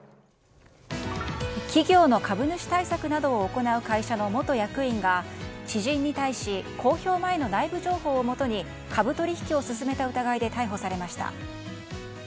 企業の株主対策などを行う会社の元役員が、知人に対し公表前の内部情報をもとに株取引を進めた疑いで逮捕されました。